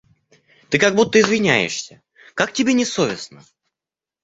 Ты как будто извиняешься; как тебе не совестно.